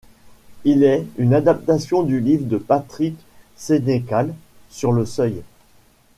Il est une adaptation du livre de Patrick Senécal, Sur le seuil.